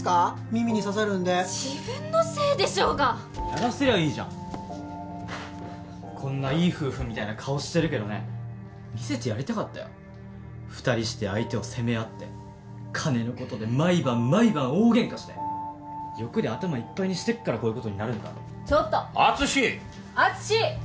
耳に刺さるんで自分のせいでしょうがやらせりゃいいじゃんこんないい夫婦みたいな顔してるけどね見せてやりたかったよ２人して相手を責め合って金のことで毎晩毎晩大ゲンカして欲で頭いっぱいにしてっからこういうことになるんだろちょっと敦！